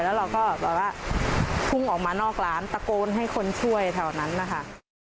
แล้วเราก็แบบว่าพุ่งออกมานอกร้านตะโกนให้คนช่วยแถวนั้นนะคะ